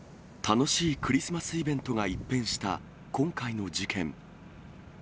楽しいクリスマスイベントが一変した今回の事件。